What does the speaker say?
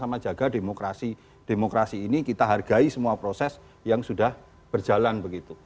sama jaga demokrasi demokrasi ini kita hargai semua proses yang sudah berjalan begitu